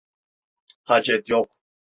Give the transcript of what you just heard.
Hacet yok!